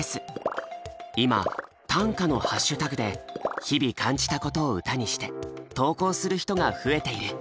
今「ｔａｎｋａ」のハッシュタグで日々感じたことを歌にして投稿する人が増えている。